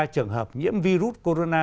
ba mươi ba trường hợp nhiễm virus corona